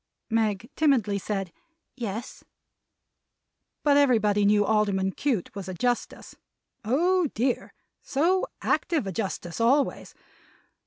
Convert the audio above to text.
Meg timidly said, "Yes." But everybody knew Alderman Cute was a Justice! Oh dear, so active a Justice always!